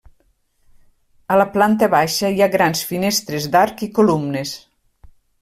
A la planta baixa hi ha grans finestres d'arc i columnes.